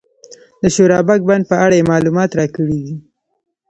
د شورابک بند په اړه یې معلومات راکړي دي.